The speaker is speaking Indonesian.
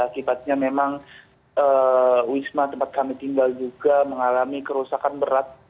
akibatnya memang wisma tempat kami tinggal juga mengalami kerusakan berat